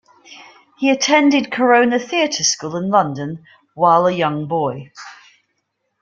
He attended Corona Theatre School in London while a young boy.